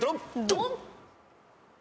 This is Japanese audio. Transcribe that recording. ドン！